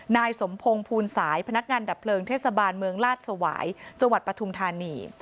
นายสมพงศ์ภูนย์สายพนักงานดับเปลิงเทศบาลเมืองลาศไหวจวัดปะทุมธานี